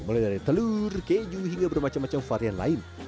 mulai dari telur keju hingga berbagai varian lain